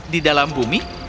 di dalam bumi